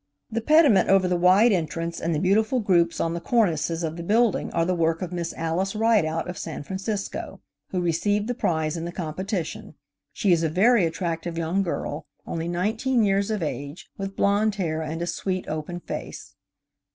The pediment over the wide entrance and the beautiful groups on the cornices of the building are the work of Miss Alice Rideout, of San Francisco, who received the prize in the competition. She is a very attractive young girl, only nineteen years of age, with blonde hair and a sweet, open face.